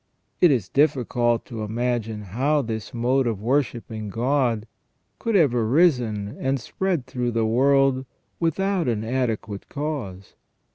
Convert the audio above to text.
It is difficult to imagine how this mode of worshipping God could have arisen and spread through the world without an adequate cause.